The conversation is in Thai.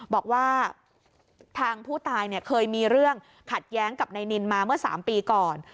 บอกว่าทางผู้ตายเคยมีเรื่องขัดแย้งกับนายนินมาเมื่อ๓ปีก่อน